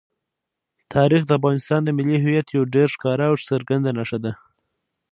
تاریخ د افغانستان د ملي هویت یوه ډېره ښکاره او څرګنده نښه ده.